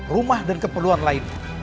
rumah dan keperluan lainnya